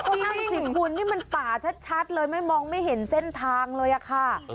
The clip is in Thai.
ก็นั่นสิคุณนี่มันป่าชัดเลยไม่มองไม่เห็นเส้นทางเลยอะค่ะ